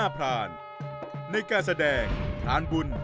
พรานบุญ